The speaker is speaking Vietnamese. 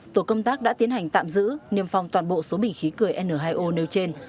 tổ công tác đã tiến hành tạm giữ niêm phòng toàn bộ số bình khí cười n hai o nêu trên